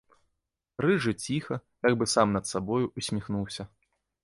Рыжы ціха, як бы сам над сабою, усміхнуўся.